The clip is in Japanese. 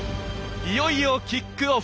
いよいよキックオフ！